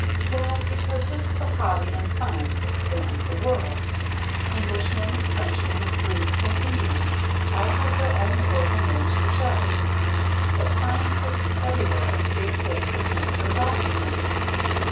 Well, because this is a hobby and science that spans the world. Englishmen, Frenchmen, Greeks and Indians all have their own local names for shells. But scientists everywhere give things in nature Latin names.